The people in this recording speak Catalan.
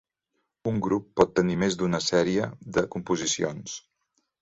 Un grup pot tenir més d'una sèrie de composicions.